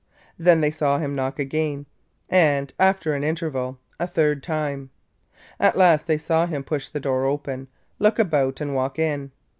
Then they saw him knock again and, after an interval, a third time. At last they saw him push the door open, look about, and walk in.